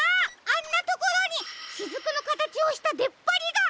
あんなところにしずくのかたちをしたでっぱりが！